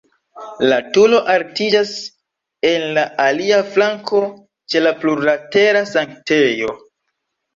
La turo altiĝas en la alia flanko ĉe la plurlatera sanktejo.